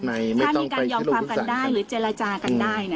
ในไม่ต้องการความกันได้หรือเจรจากันได้เนี้ย